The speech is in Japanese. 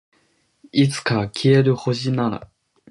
いつか消える星なら